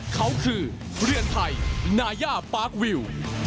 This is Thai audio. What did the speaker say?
เขาคือเรือนไทยนาย่าปาร์ควิว